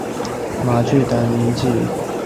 马聚垣遗址的历史年代为马家窑类型。